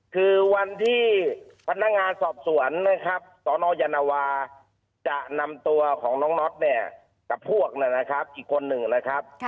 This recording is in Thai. คือวันที่พนักงานสอบสวนนะครับสนยานวาจะนำตัวของน้องน็อตเนี่ยกับพวกนะครับอีกคนหนึ่งนะครับ